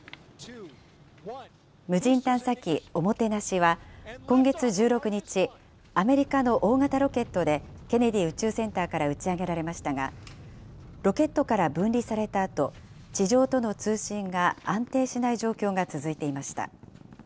無人探査機ＯＭＯＴＥＮＡＳＨＩは、今月１６日、アメリカの大型ロケットでケネディ宇宙センターから打ち上げられましたが、ロケットから分離されたあと、地上との通信が安定しない状況が続いていました。